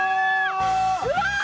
うわ！